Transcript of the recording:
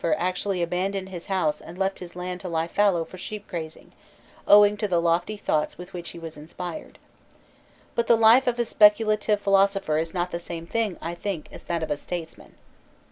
54 PERICLES actually abandoned his house and left his land to lie fallow for sheep grazing, owing to the lofty thoughts with which he was inspired. But the life of a specu lative philosopher is not the same thing, I think, as that of a statesman.